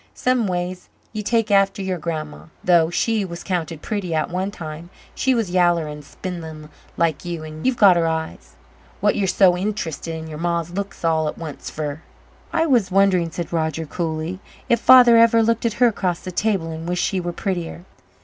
Some ways ye take after yer grandma though she was counted pretty at one time. She was yaller and spindlin' like you, and you've got her eyes. What yer so int'rested in yer ma's looks all at once fer?" "I was wondering," said Roger coolly, "if Father ever looked at her across the table and wished she were prettier."